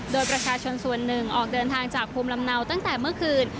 โดยประชาชนส่วนหนึ่งออกเดินทางจากภูมิลำเนาตั้งแต่เมื่อคืน